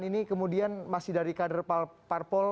ini kemudian masih dari kader parpol